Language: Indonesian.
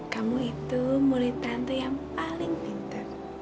kamu itu murid tante yang paling pintar